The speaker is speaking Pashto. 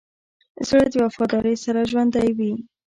زړه د وفادارۍ سره ژوندی وي.